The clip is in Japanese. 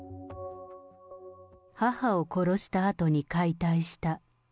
母を殺したあとに解体した。